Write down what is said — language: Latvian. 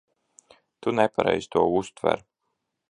Tu nepareizi to uztver.